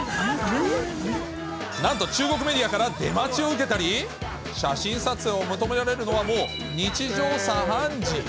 なんと中国メディアから出待ちを受けたり、写真撮影を求められるのは、もう、日常茶飯事。